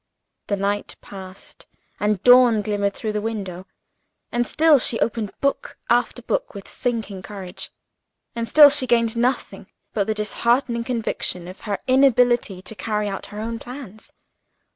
The night passed, and dawn glimmered through the window and still she opened book after book with sinking courage and still she gained nothing but the disheartening conviction of her inability to carry out her own plans.